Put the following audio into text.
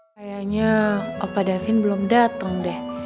kayaknya apa davin belum dateng deh